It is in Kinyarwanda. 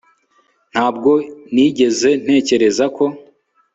Ntabwo nigeze ntekereza ko